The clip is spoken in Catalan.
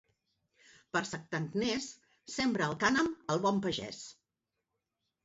Per Santa Agnès sembra el cànem el bon pagès.